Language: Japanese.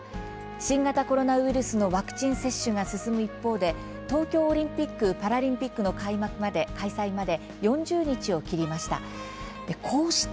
新型コロナウイルスのワクチン接種が進む一方で東京オリンピック・パラリンピックの開幕まで４０日を切りました。